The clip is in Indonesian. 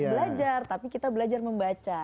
belajar tapi kita belajar membaca